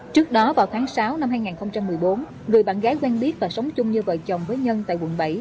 trước đó vào tháng sáu năm hai nghìn một mươi bốn người bạn gái quen biết và sống chung như vợ chồng với nhân tại quận bảy